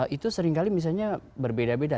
itu seringkali misalnya berbeda beda